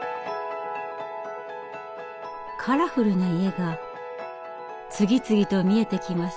カラフルな家が次々と見えてきます。